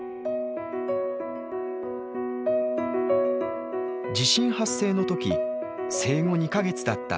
地震発生の時生後２か月だった娘の未来さん。